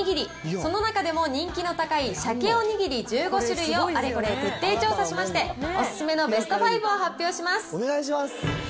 その中でも人気の高いサケおにぎり１５種類をあれこれ徹底調査しまして、お勧めのベスト５を発表します。